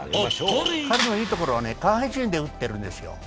彼のいいところは下半身で打ってるんですよ。